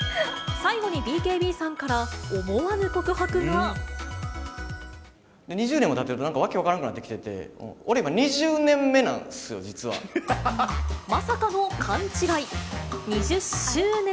最後にＢＫＢさんから、２０年もたってると、なんか訳分からんなくなってきてて、俺、今、２０年目なんすよ、まさかの勘違い。